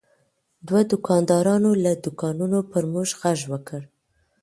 دوه دوکاندارانو له دوکانونو پر موږ غږ وکړ.